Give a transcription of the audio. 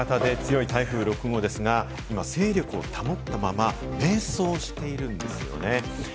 大型で強い台風６号ですが、今、勢力を保ったまま迷走しているんですよね。